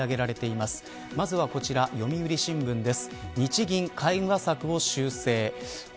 まずはこちら、読売新聞です。